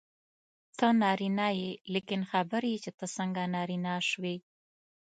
ته نارینه یې لیکن خبر یې چې ته څنګه نارینه شوې.